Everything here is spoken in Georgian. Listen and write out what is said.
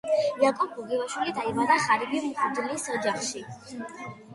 იაკობ გოგებაშვილი დაიბადა ღარიბი მღვდლის ოჯახში.